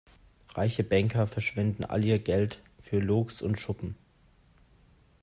Reiche Banker verschwenden all ihr Geld für Loks und Schuppen.